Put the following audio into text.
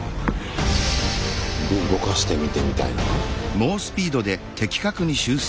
で動かしてみてみたいな？